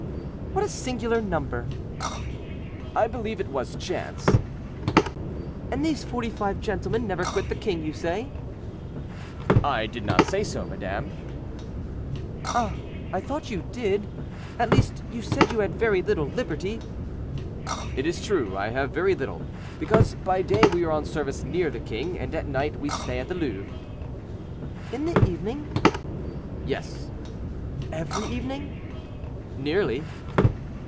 "What a singular number!" "I believe it was chance." "And these forty five gentlemen never quit the king, you say?" "I did not say so, madame." "Ah! I thought you did; at least, you said you had very little liberty." "It is true, I have very little; because by day we are on service near the king, and at night we stay at the Louvre." "In the evening?" "Yes." "Every evening?" "Nearly."